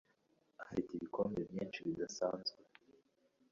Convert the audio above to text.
afite ibikombe byinshi bidasanzwe.